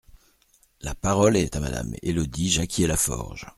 La parole est à Madame Élodie Jacquier-Laforge.